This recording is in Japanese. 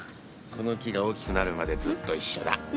この木が大きくなるまでずっと一緒だ。